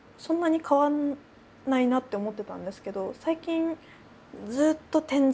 そんなに変わんないなって思ってたんですけど。